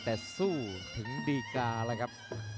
แต่สู้ถึงดีกาแล้วครับ